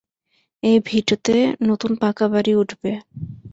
এ ভিটতে নতুন পাকা বাড়ি উঠবে।